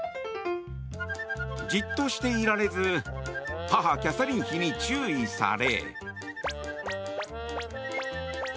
じっとしていられず母キャサリン妃に注意され。